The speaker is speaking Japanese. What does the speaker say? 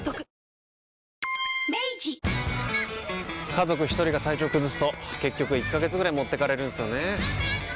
家族一人が体調崩すと結局１ヶ月ぐらい持ってかれるんすよねー。